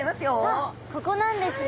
あっここなんですね。